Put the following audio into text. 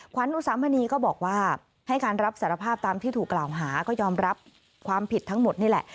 ขวัญอุสามณีก็บอกว่าให้การรับสารภาพตามที่ถูกกล่าวหาก็ยอมรับความผิดทั้งหมดนี่แหละ